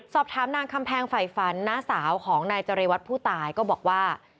สอบถามนางคำแพงไฝฝันน้าสาวของนายเจรวัตรผู้ตายก็บอกว่า